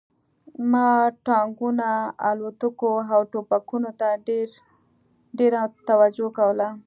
ما ټانکونو الوتکو او ټوپکونو ته ډېره توجه کوله